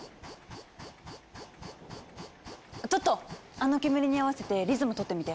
あの煙に合わせてリズムとってみて。